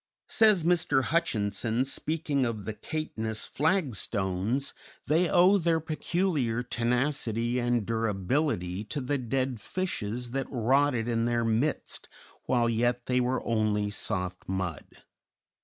Says Mr. Hutchinson, speaking of the Caithness Flagstones, "They owe their peculiar tenacity and durability to the dead fishes that rotted in their midst while yet they were only soft mud.